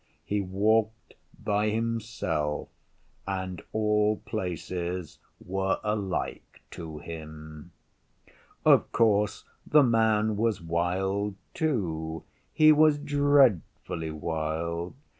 He walked by himself, and all places were alike to him. Of course the Man was wild too. He was dreadfully wild.